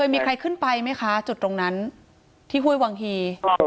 มีใครขึ้นไปไหมคะจุดตรงนั้นที่ห้วยวังฮี